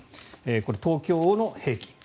これ、東京の平均。